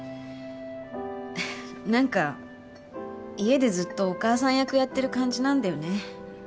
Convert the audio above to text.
なんか家でずっとお母さん役やってる感じなんだよね。